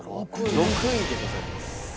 ６位でございます。